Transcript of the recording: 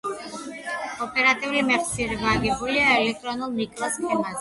ოპერატიული მეხსიერება აგებულია ელექტრონულ მიკროსქემებზე.